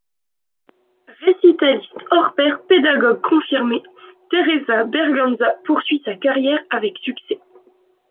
Récitaliste hors pair, pédagogue confirmée, Teresa Berganza poursuit sa carrière avec succès.